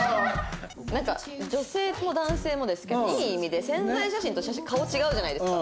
なんか女性も男性もですけどいい意味で宣材写真と顔違うじゃないですか。